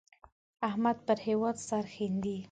احمد پر هېواد سرښندي.